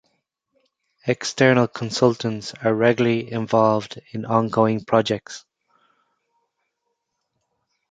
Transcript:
External consultants are regularly involved in ongoing projects.